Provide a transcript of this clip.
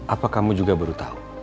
apa kamu juga baru tahu